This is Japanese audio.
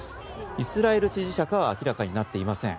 イスラエル支持者かは明らかになっていません。